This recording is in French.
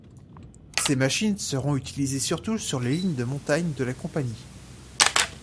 Ces machines seront utilisées surtout sur les lignes de montagne de la Compagnie.